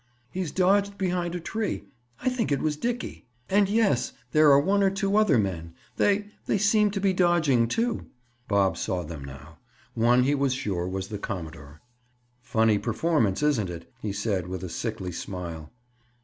"He's dodged behind a tree. I think it was Dickie. And—yes, there are one or two other men. They—they seem to be dodging, too." Bob saw them now. One, he was sure, was the commodore. "Funny performance, isn't it?" he said, with a sickly smile.